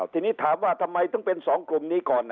ทีนี้ถามว่าทำไมถึงเป็น๒กลุ่มนี้ก่อน